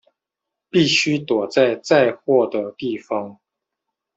必须躲在载货的地方